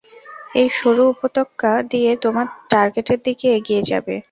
এই সরু উপত্যকা দিয়ে তোমরা টার্গেটের দিকে এগিয়ে যাবে।